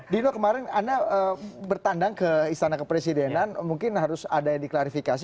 dino kemarin anda bertandang ke istana kepresidenan mungkin harus ada yang diklarifikasi